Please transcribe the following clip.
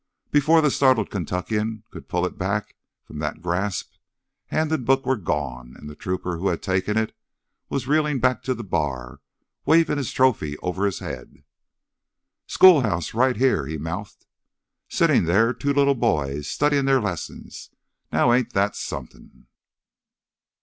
Before the startled Kentuckian could pull it back from that grasp, hand and book were gone, and the trooper who had taken it was reeling back to the bar, waving the trophy over his head. "Schoolhouse ... right here ..." he mouthed. "Sittin' there ... two li'l boys, studyin' their lessons. Now, ain't that somethin'?"